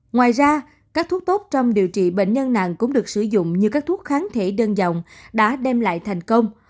ngoài ra các thuốc tốt trong điều trị bệnh nhân nặng cũng được sử dụng như các thuốc kháng thể đơn dòng đã đem lại thành công